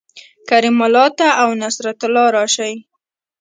کریم الله ته او نصرت الله راشئ